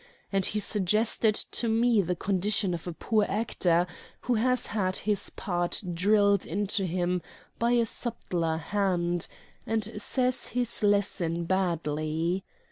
And he suggested to me the condition of a poor actor who has had his part drilled into him by a subtler hand, and says his lesson badly.